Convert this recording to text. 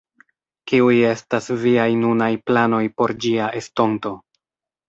Kiuj estas viaj nunaj planoj por ĝia estonto?